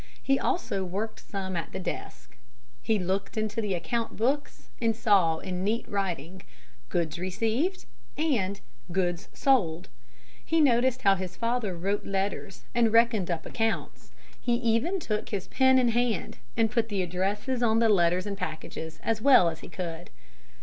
He also worked some at the desk. He looked into the account books and saw in neat writing, "Goods received" and "Goods sold." He noticed how his father wrote letters and reckoned up his accounts. He even took his pen in hand and put the addresses on the letters and packages as well as he could.